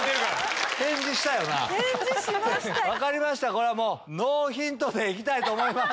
これはもうノーヒントで行きたいと思います。